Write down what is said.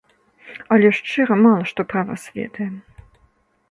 Але, шчыра, мала што пра вас ведаем.